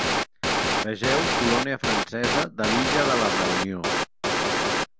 Vegeu Colònia francesa de l'illa de la Reunió.